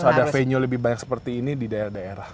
harus ada venue lebih banyak seperti ini di daerah daerah